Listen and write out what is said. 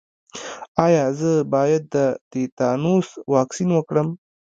ایا زه باید د تیتانوس واکسین وکړم؟